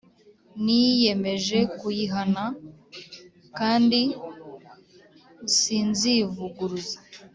Niyemeje kuyihana kandi sinzivuguruza !